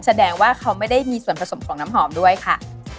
แล้วก็ไม่มีทั้งส่วนผสมของน้ำหอมด้วยค่ะ